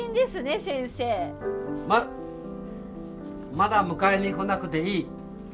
まだ迎えに来なくていい。